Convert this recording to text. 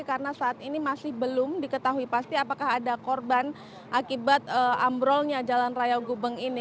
karena saat ini masih belum diketahui pasti apakah ada korban akibat ambrolnya jalan raya gubeng ini